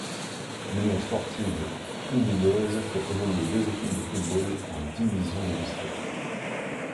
L'Union sportive ouvillaise fait évoluer deux équipes de football en divisions de district.